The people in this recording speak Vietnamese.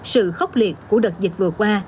sự khốc liệt của đợt dịch vừa qua